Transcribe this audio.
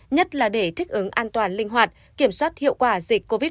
nhất là để thích ứng an toàn linh hoạt kiểm soát hiệu quả dịch covid một mươi chín